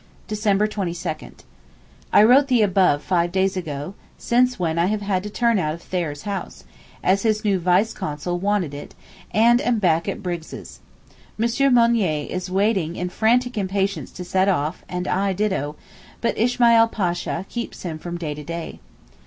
December 22.—I wrote the above five days ago, since when I have had to turn out of Thayer's house, as his new Vice Consul wanted it, and am back at Briggs'. M. Mounier is waiting in frantic impatience to set off, and I ditto; but Ismail Pasha keeps him from day to day.